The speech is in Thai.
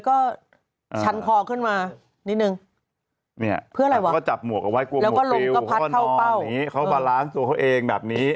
ก็ฉันคอขึ้นมานิดนึงเพื่ออะไรกล้องยังไปด้วยเองแบบนี้